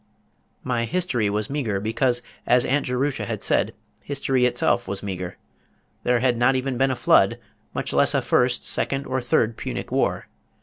My history was meagre, because as Aunt Jerusha had said, history itself was meagre. There had not even been a flood, much less a first, second, or third Punic War.